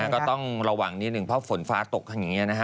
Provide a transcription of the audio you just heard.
ก็ต้องระวังนิดนึงเพราะฝนฟ้าตกข้างอย่างนี้นะฮะ